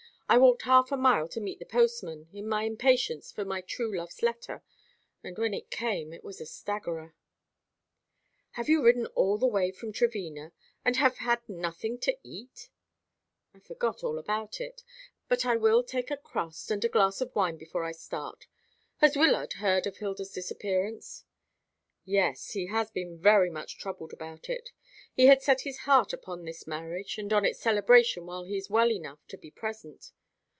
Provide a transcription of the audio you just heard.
I walked half a mile to meet the postman, in my impatience for my true love's letter, and when it came it was a staggerer." "And you have ridden all the way from Trevena, and have had nothing to eat?" "I forgot all about it; but I will take a crust and a glass of wine before I start. Has Wyllard heard of Hilda's disappearance?" "Yes, he has been very much troubled about it. He had set his heart upon this marriage, and on its celebration while he is well enough to be present.